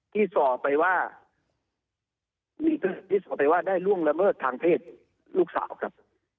ที่สอบไปว่าได้ร่วงระเบิดทางเพศลูกสาวครับ